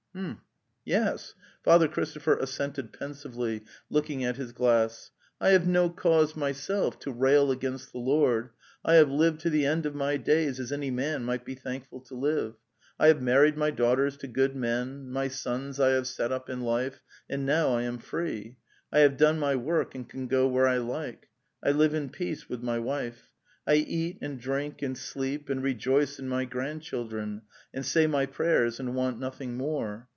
'""H'm, yes...' Father Christopher assented pensively, looking at his glass. ''I have no cause myself to rail against the Lord. I have lived to the end of my days as any man might be thankful to live. ... I have married my daughters to good men, my sons I have set up in life, and now I am free; I have done my work and can go where [I like. I live in peace with my wife. I eat and drink and sleep and rejoice in my grandchildren, and say my prayers and want nothing more.